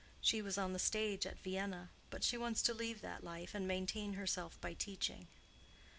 She was on the stage at Vienna; but she wants to leave that life, and maintain herself by teaching."